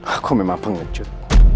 aku memang pengecut